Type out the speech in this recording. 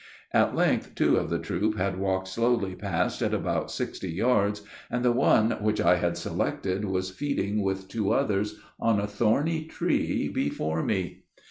At length two of the troup had walked slowly past at about sixty yards, and the one which I had selected was feeding with two others, on a thorny tree before me.